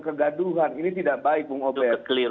kegaduhan ini tidak baik bang ubed